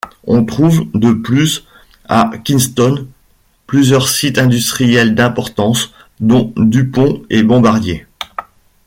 On trouve de plus à Kingston plusieurs sites industriels d'importance, dont DuPont et Bombardier.